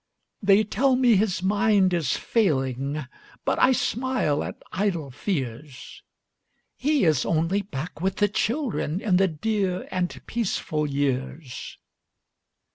They tell me his mind is failing, But I smile at idle fears; He is only back with the children, In the dear and peaceful years.